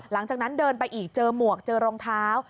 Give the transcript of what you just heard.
หลังจากนั้นเดินไปอีกเจอหมวกเจอรองเท้า